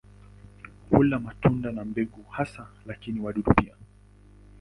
Hula matunda na mbegu hasa, lakini wadudu pia.